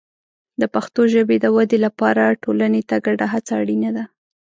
د پښتو ژبې د ودې لپاره ټولنې ته ګډه هڅه اړینه ده.